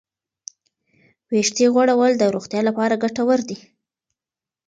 ویښتې غوړول د روغتیا لپاره ګټور دي.